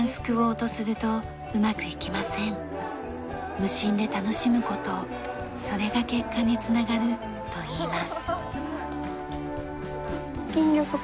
無心で楽しむ事それが結果に繋がるといいます。